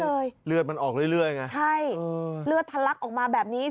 ล้มเลยเลือดมันออกเรื่อยเรื่อยไงใช่เออเลือดทันลักษณ์ออกมาแบบนี้